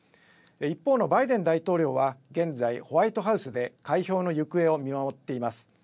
一方のバイデン大統領は現在ホワイトハウスで開票の行方を見守っています。